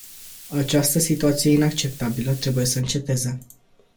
Această situație inacceptabilă trebuie să înceteze.